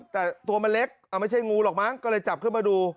แต่ตัวมันเล็กไม่ใช่งูหรอกมั้งก็เลยจับขึ้นมาดู